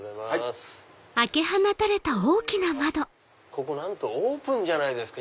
ここオープンじゃないですか